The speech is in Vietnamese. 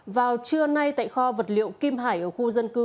vào trưa nay tại kho vật liệu kim hải ở khu dân cư